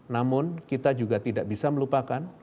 namun kita juga tidak bisa melupakan